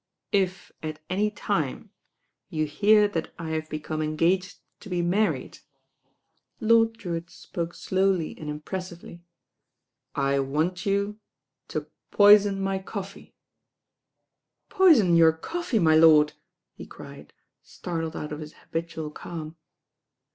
"If at any time you hear that I have become en gaged to be married," Lord Drewitt spoke slowly f LORD DREWITT ON MARRIAGE 141 and impressively, "I want you to poison my coffee." "Poison your coffee, my lordl" he cried, startled out of his habitual calm.